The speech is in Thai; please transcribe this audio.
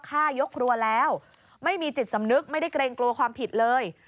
ฆ่ายกครัวแล้วไม่มีจิตสำนึกไม่ได้เกรงกลัวความผิดเลย